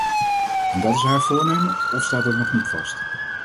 En is dat haar voornemen, of staat dat nog niet vast?